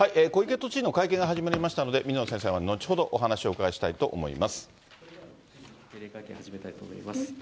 小池都知事の会見が始まりましたので、水野先生には後ほどお定例会見始めたいと思います。